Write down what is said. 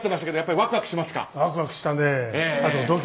ワクワクしたね。